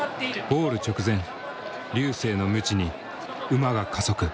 ゴール直前瑠星のムチに馬が加速。